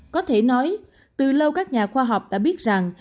có thể nói từ lâu các nhà khoa học đã biết rằng